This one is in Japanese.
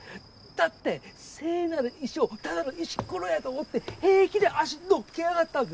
だって聖なる石をただの石ころやと思って平気で足のっけやがったんですよ。